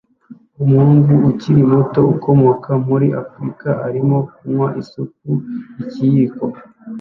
Umuhungu ukiri muto ukomoka muri Afrika arimo anywa isupu ikiyiko